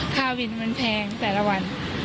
ค่าวินมันแพงแต่ละวัน